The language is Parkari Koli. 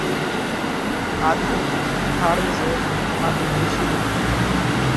آۮمِي ٿاۯِئِي زوئينَ آپرِي ڏوشِي نئہ ڪِيڌو: